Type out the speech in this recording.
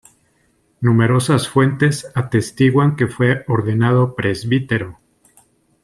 Numerosas fuentes atestiguan que fue ordenado presbítero.